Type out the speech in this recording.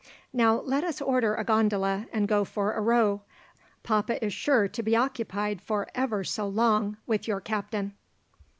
Now let us order a gondola, and go for a row. Papa is sure to be occupied for ever so long with your captain."